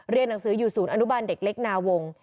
หนังสืออยู่ศูนย์อนุบาลเด็กเล็กนาวง